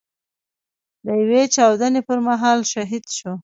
د يوې چاودنې پر مهال شهيد شو.